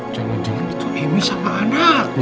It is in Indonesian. jangan jangan itu emi sama anaknya